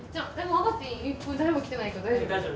誰も来てないけど大丈夫？